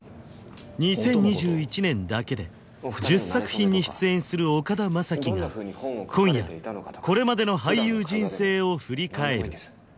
２０２１年だけで１０作品に出演する岡田将生が今夜これまでの俳優人生を振り返る